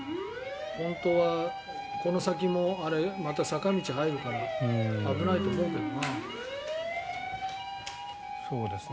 この先もまた坂道に入るから危ないと思うけどね。